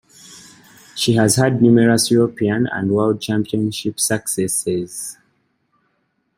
She has had numerous European and World championship successes.